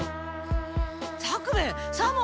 作兵衛左門